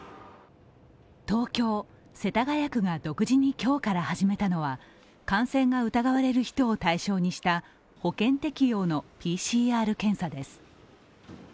東京・世田谷区が独自に今日から始めたのが感染が疑われる人を対象にした保険適用のＰＣＲ検査です。